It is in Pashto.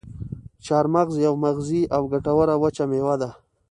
چارمغز یوه مغذي او ګټوره وچه میوه ده.